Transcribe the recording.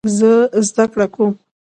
زه زده کړه کوم.